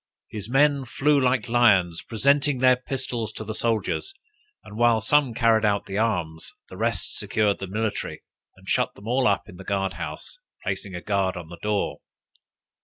His men flew like lions, presented their pistols to the soldiers, and while some carried out the arms, the rest secured the military, and shut them all up in the guard house, placing a guard on the door.